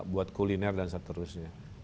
buat kuliner dan seterusnya